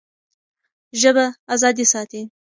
ژبه ازادي ساتي.